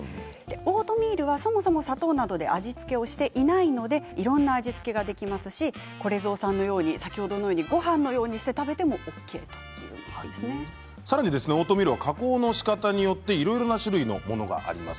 オートミールは、そもそも砂糖などで味付けをしていないのでいろいろな味付けができますしこれぞうさんのようにごはんのようにして食べてもさらにオートミールは加工のしかたによっていろいろな種類のものがあります。